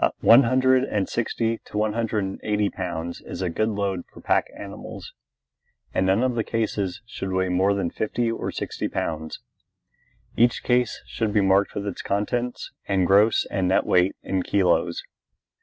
One hundred and sixty to one hundred and eighty pounds is a good load for the pack animals, and none of the cases should weigh more than fifty or sixty pounds. Each case should be marked with its contents and gross and net weight in kilos.